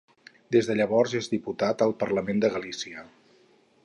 Des de llavors és diputat al Parlament de Galícia.